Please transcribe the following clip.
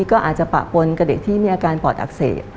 ก็อาจจะปะปนกับเด็กที่มีอาการปอดอักเสบ